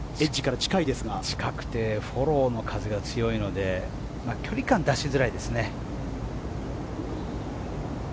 近いですしフォローの風が強いので距離感出しづらいですね。